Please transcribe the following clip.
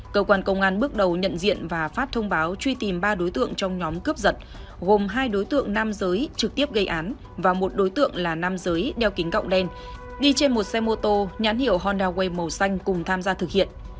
cơ quan công an bước đầu nhận diện và phát thông báo truy tìm ba đối tượng trong nhóm cướp giật gồm hai đối tượng nam giới trực tiếp gây án và một đối tượng là nam giới đeo kính gọng đen đi trên một xe mô tô nhãn hiệu honda way màu xanh cùng tham gia thực hiện